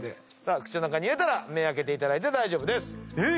口の中に入れたら目開けていただいて大丈夫です。